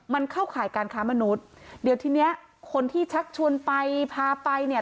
มันเข้าข่ายการค้ามนุษย์เดี๋ยวทีเนี้ยคนที่ชักชวนไปพาไปเนี่ย